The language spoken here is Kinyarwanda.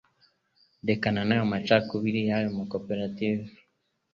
rekana nayo macakubiri yayo ma koperative